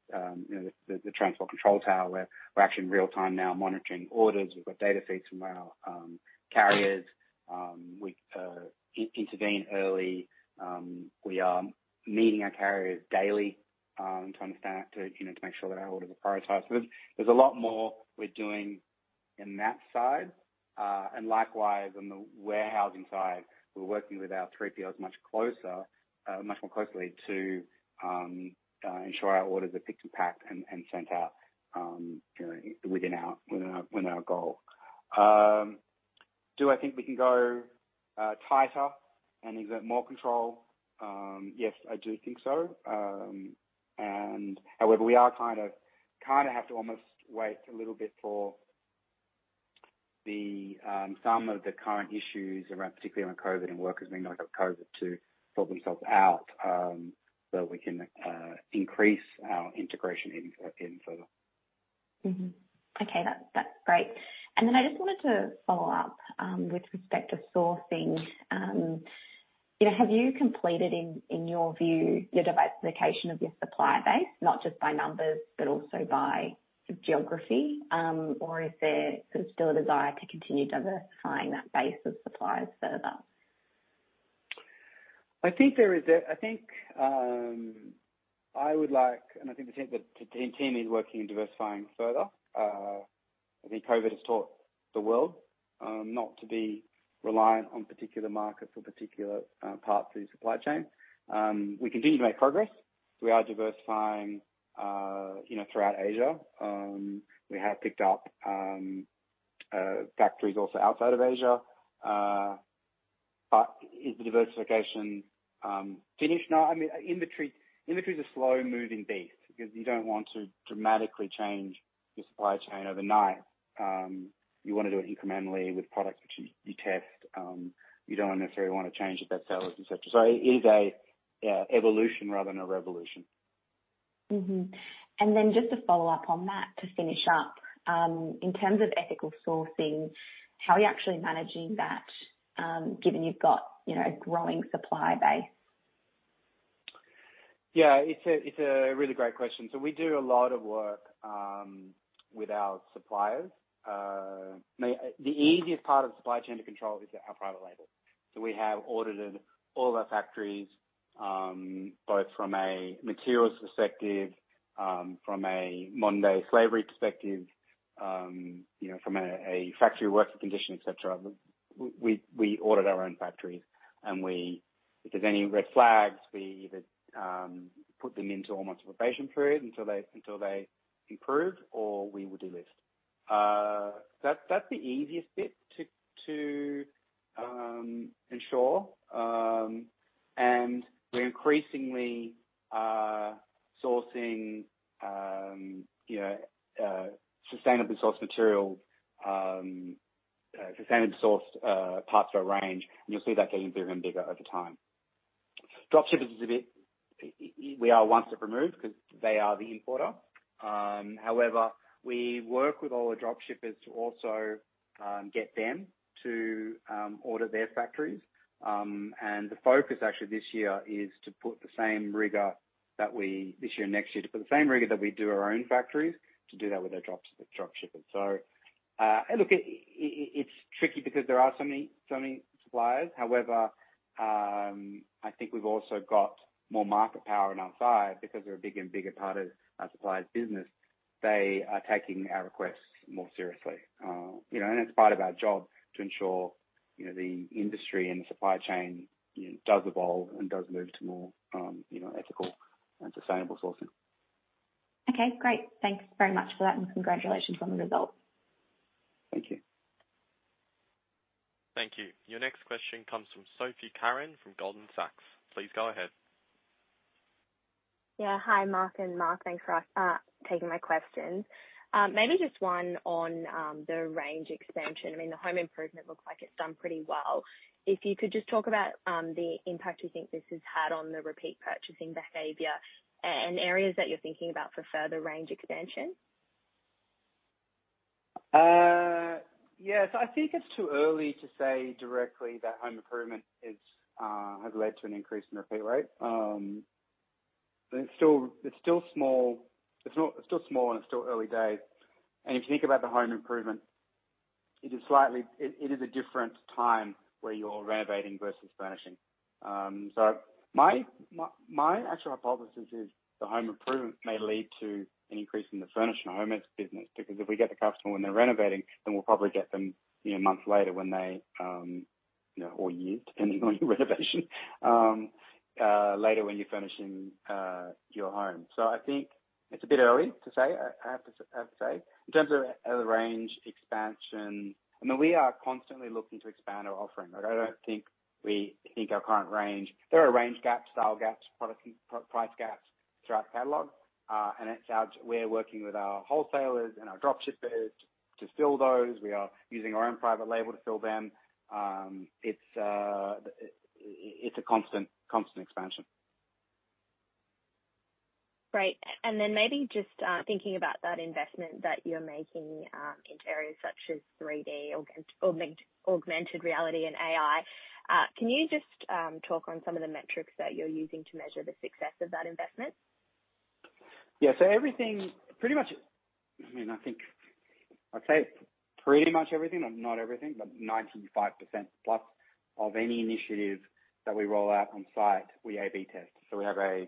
you know, the transport control tower where we're actually in real time now monitoring orders. We've got data feeds from our carriers. We intervene early. We are meeting our carriers daily, to understand, you know, to make sure that our orders are prioritized. There's a lot more we're doing in that side. Likewise on the warehousing side, we're working with our 3PLs much closer, much more closely to ensure our orders are picked and packed and sent out, you know, within our goal. Do I think we can go tighter and exert more control? Yes, I do think so. However, we are kind of have to almost wait a little bit for some of the current issues around, particularly around COVID and workers maybe not get COVID to sort themselves out, so we can increase our integration even further. Mm-hmm. Okay. That's great. I just wanted to follow up with respect to sourcing. You know, have you completed in your view your diversification of your supplier base, not just by numbers, but also by geography? Or is there sort of still a desire to continue diversifying that base of suppliers further? I think the team is working on diversifying further. I think COVID has taught the world not to be reliant on particular markets or particular parts of the supply chain. We continue to make progress. We are diversifying, you know, throughout Asia. We have picked up factories also outside of Asia. Is the diversification finished? No. I mean, inventory is a slow-moving beast because you don't want to dramatically change your supply chain overnight. You wanna do it incrementally with products which you test. You don't necessarily wanna change if that sells and such. It is an evolution rather than a revolution. Mm-hmm. Just to follow up on that, to finish up, in terms of ethical sourcing, how are you actually managing that, given you've got, you know, a growing supplier base? Yeah. It's a really great question. We do a lot of work with our suppliers. The easiest part of supply chain to control is our private label. We have audited all of our factories both from a materials perspective from a modern day slavery perspective you know from a factory worker condition et cetera. We audit our own factories and we. If there's any red flags we either put them into almost a probation period until they improve or we will delist. That's the easiest bit to ensure. We're increasingly sourcing you know sustainably sourced material sustainably sourced parts of our range and you'll see that getting bigger and bigger over time. Drop shippers is a bit. We are one step removed because they are the importer. However, we work with all the drop-shippers to also get them to order their factories. The focus actually this year and next year is to put the same rigor that we do our own factories to do that with our drop-shippers. Look, it's tricky because there are so many suppliers. However, I think we've also got more market power on our side because they're a bigger and bigger part of our suppliers' business. They are taking our requests more seriously. You know, and it's part of our job to ensure, you know, the industry and the supply chain, you know, does evolve and does move to more, you know, ethical and sustainable sourcing. Okay. Great. Thanks very much for that and congratulations on the results. Thank you. Thank you. Your next question comes from Sophie Carran from Goldman Sachs. Please go ahead. Yeah. Hi, Mark and Mark. Thanks for taking my questions. Maybe just one on the range expansion. I mean, the home improvement looks like it's done pretty well. If you could just talk about the impact you think this has had on the repeat purchasing behavior and areas that you're thinking about for further range expansion. I think it's too early to say directly that home improvement has led to an increase in repeat rate. It's still small and it's still early days. If you think about the home improvement, it is a different time where you're renovating versus furnishing. My actual hypothesis is the home improvement may lead to an increase in the furnishing or home goods business. Because if we get the customer when they're renovating, then we'll probably get them, you know, months later when they, you know, or years, depending on your renovation later when you're furnishing your home. I think it's a bit early to say. I have to say. In terms of the range expansion, I mean, we are constantly looking to expand our offering. Like, I don't think our current range. There are range gaps, style gaps, product, price gaps throughout the catalog. We're working with our wholesalers and our drop shippers to fill those. We are using our own private label to fill them. It's a constant expansion. Great. Maybe just thinking about that investment that you're making into areas such as 3D or augmented reality and AI. Can you just talk on some of the metrics that you're using to measure the success of that investment? Yeah. Everything pretty much, I mean, I think I'd say it's pretty much everything. Not everything, but 95%+ of any initiative that we roll out on site, we A/B test. We have our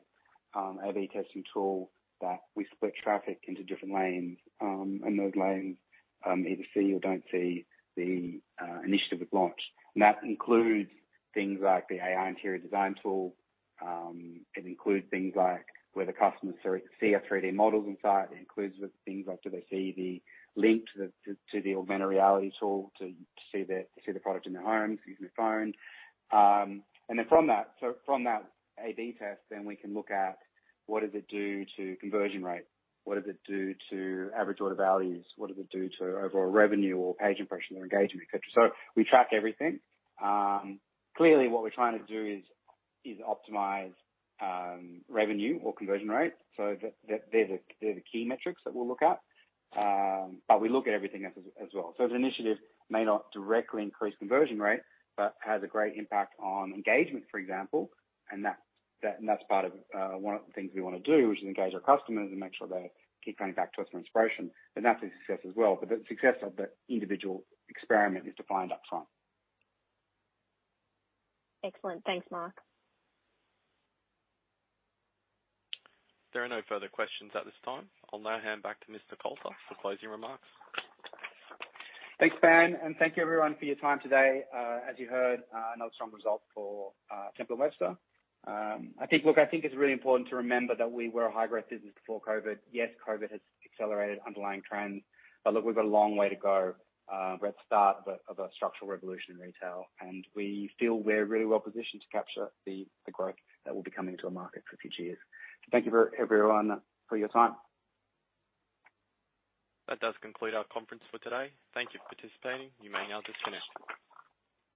A/B testing tool that we split traffic into different lanes, and those lanes either see or don't see the initiative we've launched. That includes things like the AI interior design tool. It includes things like whether customers see our 3-D models inside. It includes things like do they see the link to the augmented reality tool to see the product in their homes using their phones. From that A/B test, we can look at what does it do to conversion rate? What does it do to average order values? What does it do to overall revenue or page impressions or engagement, et cetera? We track everything. Clearly what we're trying to do is optimize revenue or conversion rates. They're the key metrics that we'll look at. We look at everything else as well. If an initiative may not directly increase conversion rate, but has a great impact on engagement, for example, and that's part of one of the things we wanna do, which is engage our customers and make sure they keep coming back to us for inspiration. That's a success as well. The success of the individual experiment is defined upside. Excellent. Thanks, Mark. There are no further questions at this time. I'll now hand back to Mr. Coulter for closing remarks. Thanks, Ben, and thank you everyone for your time today. As you heard, another strong result for Temple & Webster. I think it's really important to remember that we were a high-growth business before COVID. Yes, COVID has accelerated underlying trends, but look, we've got a long way to go. We're at start of a structural revolution in retail, and we feel we're really well positioned to capture the growth that will be coming into our market for future years. Thank you very much everyone for your time. That does conclude our conference for today. Thank you for participating. You may now disconnect.